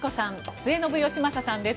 末延吉正さんです。